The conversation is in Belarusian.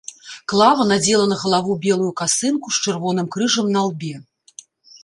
Клава надзела на галаву белую касынку з чырвоным крыжам на лбе.